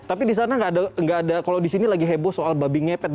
tapi di sana nggak ada kalau di sini lagi heboh soal babi ngepet